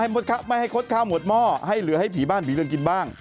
ไม่ให้คดข้าวหมดหม้อให้เหลือให้ผีบ้านผีเดินกินบ้าง